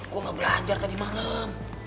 gue gak belajar tadi malam